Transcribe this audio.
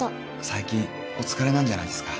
最近お疲れなんじゃないですか？